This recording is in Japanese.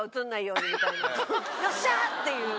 「よっしゃ！」っていう。